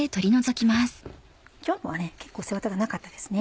今日のは結構背ワタがなかったですね。